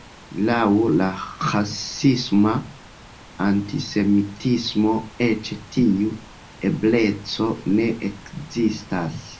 Laŭ la rasisma antisemitismo, eĉ tiu ebleco ne ekzistas.